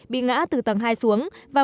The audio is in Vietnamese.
bị ngã từ tầng hai xuống và